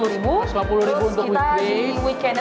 rp satu ratus lima puluh untuk weekday